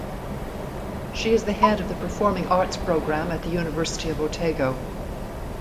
She is the head of the performing arts programme at the University of Otago.